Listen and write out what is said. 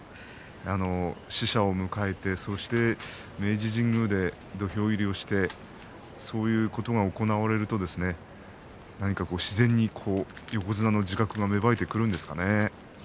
使者を迎えてそうして明治神宮で土俵入りをしてそういうことが行われると何か自然に横綱の自覚が芽生えてくるんですかね。